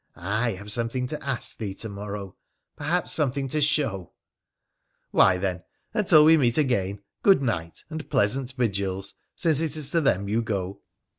' I have something to ask thee to morrow, perhaps something to show '' Why, then, until we meet again, Good night and pleasant vigils, since it is to them you go.'